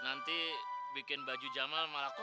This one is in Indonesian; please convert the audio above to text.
nanti bikin baju jamal malah kotor